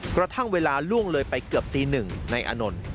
กระทั่งเวลาล่วงเลยไปเกือบตีหนึ่งนายอานนท์